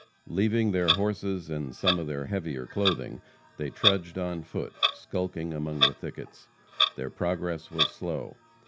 Leaving their horses and some of their heavier clothing, they trudged on foot, skulking among the thickets. Their progress was slow.